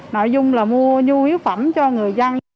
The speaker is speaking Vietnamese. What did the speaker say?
nội dung là mua nhu yếu phẩm cho người dân